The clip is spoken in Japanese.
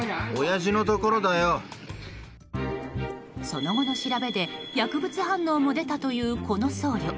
その後の調べで薬物反応も出たというこの僧侶。